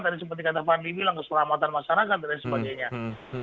tadi seperti kata fadli bilang keselamatan masyarakat dan lain sebagainya